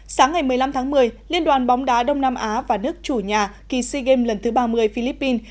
sáng ngày một mươi năm tháng một mươi liên đoàn bóng đá đông nam á và nước chủ nhà kỳ sea games lần thứ ba mươi philippines